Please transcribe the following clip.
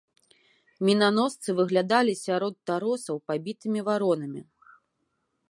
Мінаносцы выглядалі сярод таросаў пабітымі варонамі.